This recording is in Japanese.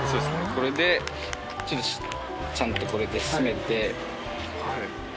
これでちゃんとこれで閉めて。